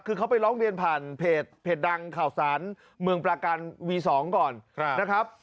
คือเขาไปร้องเรียนผ่านเพจดังข่าวสารเมืองประกันวี๒ก่อนนะครับ